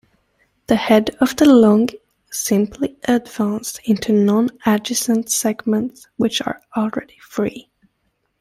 The head of the log simply advances into non-adjacent segments which are already free.